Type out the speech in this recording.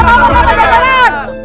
hidup berada di kianjaman